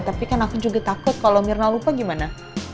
tapi kan aku juga takut kalau mirna lupa gimana